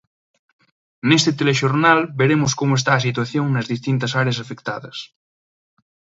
Neste telexornal veremos como está a situación nas distintas áreas afectadas.